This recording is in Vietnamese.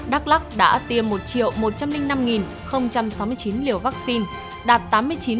đắk lắc đã tiêm một một trăm linh năm sáu mươi chín liều vaccine đạt tám mươi chín